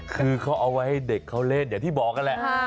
คือเขาเอาไว้ให้เด็กเขาเล่นเพื่อนกัน